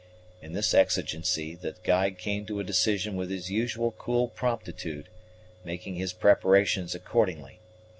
In this exigency the guide came to a decision with his usual cool promptitude, making his preparations accordingly.